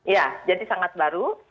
ya jadi sangat baru